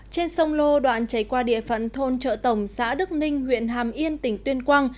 trên sông lô đoạn chảy qua địa phận thôn trợ tổng xã đức ninh huyện hàm yên tỉnh tuyên quang